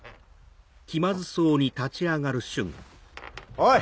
おい！